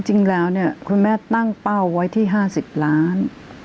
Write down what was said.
จริงแล้วเนี่ยคุณแม่ตั้งเป้าไว้ที่๕๐ล้าน